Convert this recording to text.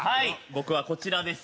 僕はこちらです。